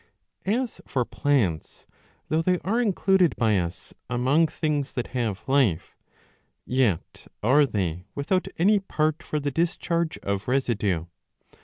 As for plants, though they also are included by us among things that have life, yet are they without any part for the discharge of residue.